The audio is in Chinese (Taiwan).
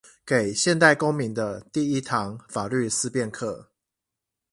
給現代公民的第一堂法律思辨課